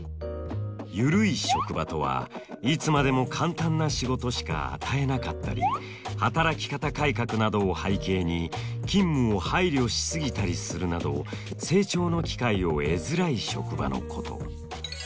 ゆるい職場とはいつまでも簡単な仕事しか与えなかったり働き方改革などを背景に勤務を配慮し過ぎたりするなど成長の機会を得づらい職場のこと。